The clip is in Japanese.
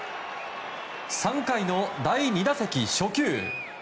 ３回の第２打席、初球。